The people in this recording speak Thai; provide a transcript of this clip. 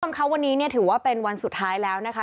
คุณพี่ค่ะวันนี้ถือว่าเป็นวันสุดท้ายแล้วนะคะ